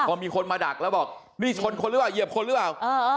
พอมีคนมาดักแล้วบอกนี่ชนคนหรือเปล่าเหยียบคนหรือเปล่า